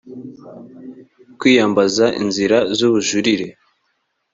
kwiyambaza inzira z ubujurire